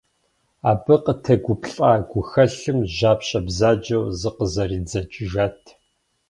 Абы къытегуплӏа гухэлъым жьапщэ бзаджэу зыкъызэридзэкӏыжат.